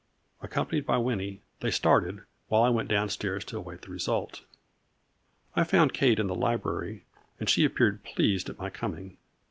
Accompanied by Winnie they started, while I went down stairs to await the result. 70 A FLURRY IN DIAMONDS. I found Kate in the library, and she appeared pleased at my coming.